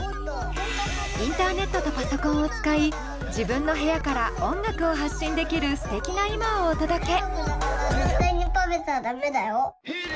インターネットとパソコンを使い自分の部屋から音楽を発信できるすてきな今をお届け！